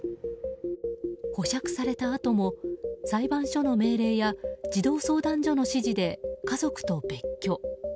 釈放されたあとも裁判所の命令や児童相談所の指示で家族と別居。